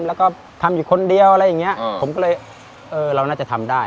แล้วก็ทำอยู่คนเดียวอะไรอย่างเงี้ยผมก็เลยเออเราน่าจะทำได้